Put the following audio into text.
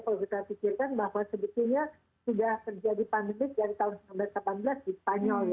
kalau kita pikirkan bahwa sebetulnya sudah terjadi pandemi dari tahun seribu sembilan ratus delapan belas di spanyol